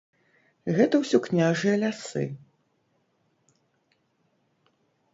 Гэта ўсё княжыя лясы.